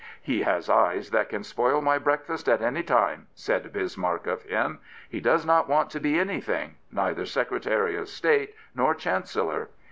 " He has eyes that can spoil my breakfast at any time," said Bismarck of him. " He does not want to b^ anything — neither Secretary of State nor Chancellor.